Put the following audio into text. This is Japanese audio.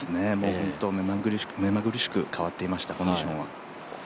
本当に目まぐるしく変わっていました、コンディションは。